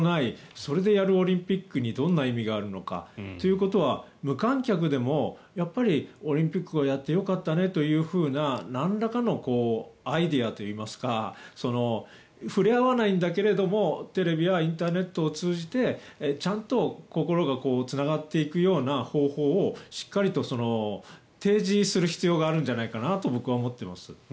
それでやるオリンピックにどんな意味があるのかということは無観客でもやっぱりオリンピックをやってよかったねというふうななんらかのアイデアといいますか触れ合わないんだけれどもテレビやインターネットを通じてちゃんと心がつながっていくような方法をしっかりと提示する必要があるんじゃないかなと僕は思っています。